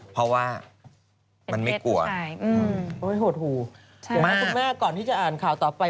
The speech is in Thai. เพราะว่ามันไม่กลัวโหดหูเห็นไหมคุณแม่ก่อนที่จะอ่านข่าวต่อไป